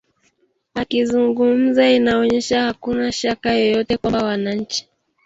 akizungumza inaonyesha hakuna shaka yoyote kwamba wananchi